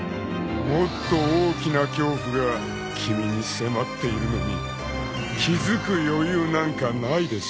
［もっと大きな恐怖が君に迫っているのに気付く余裕なんかないでしょうね］